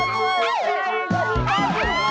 ช่วยกับพ่อ